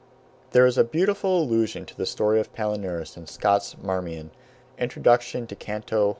There is a beautiful allusion to the story of Palinurus in Scott's "Marmion," Introduction to Canto I.